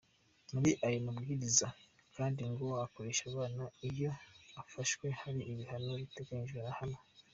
Muri ayo mabwiriza kandi ngo ukoresha abana iyo afashwe hari ibihano biteganyijwe ahabwa.